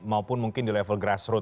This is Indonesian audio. maupun mungkin di level grassroot